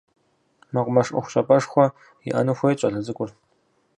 Мэкъумэш ӏуэхущӏапӏэшхуэ иӏэну хуейт щӏалэ цӏыкӏур.